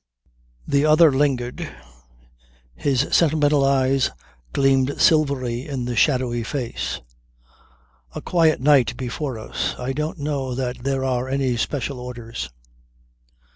The other lingered, his sentimental eyes gleamed silvery in the shadowy face. "A quiet night before us. I don't know that there are any special orders.